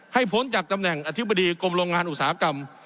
พ้นจากตำแหน่งอธิบดีกรมโรงงานอุตสาหกรรม